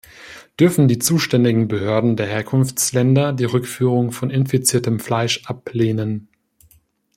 Dürfen die zuständigen Behörden der Herkunftsländer die Rückführung von infiziertem Fleisch ablehnen?